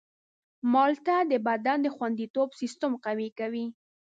مالټه د بدن د خوندیتوب سیستم قوي کوي.